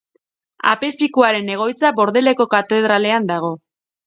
Apezpikuaren egoitza Bordeleko katedralean dago.